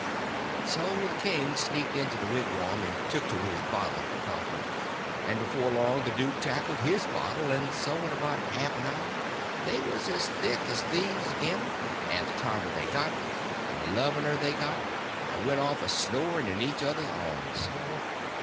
So the king sneaked into the wigwam and took to his bottle for comfort, and before long the duke tackled his bottle; and so in about a half an hour they was as thick as thieves again, and the tighter they got the lovinger they got, and went off a snoring in each other's arms.